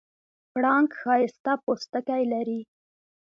پړانګ ښایسته پوستکی لري.